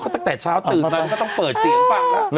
ตั้งแต่เช้าตื่นก็ต้องเปิดเตียงฟังละ